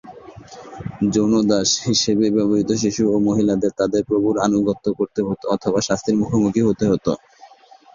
যৌন দাস হিসেবে ব্যবহৃত শিশু ও মহিলাদের তাদের প্রভুর আনুগত্য করতে হত অথবা শাস্তির মুখোমুখি হতে হত।